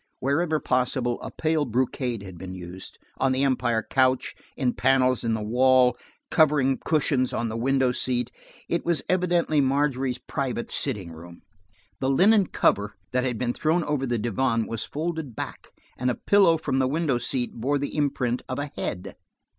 Wherever possible, a pale brocade had been used, on the empire couch, in panels in the wall, covering cushions on the window seat. It was evidently Margery's private sitting room. The linen cover that had been thrown over the divan was folded back, and a pillow from the window seat bore the imprint of a head.